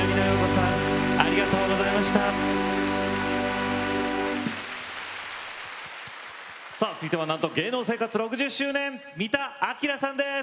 さあ続いてはなんと芸能生活６０周年三田明さんです。